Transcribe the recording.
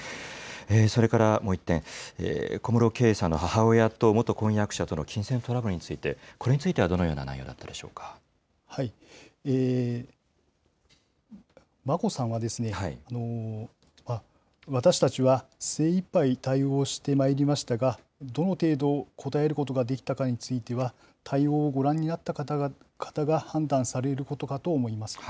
それからもう１点、小室圭さんの母親と元婚約者との金銭トラブルについて、これについてはどのよ眞子さんは、私たちは精いっぱい対応してまいりましたが、どの程度応えることができたかについては、対応をご覧になった方が判断されることかと思います。